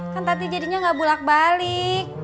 kan tadi jadinya gak bulak balik